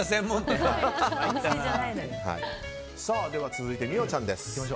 続いて、美桜ちゃんです。